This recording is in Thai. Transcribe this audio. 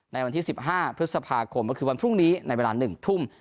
ในวันที่๑๕พฤษภาคมก็คือวันพรุ่งนี้ในเวลา๑ทุ่ม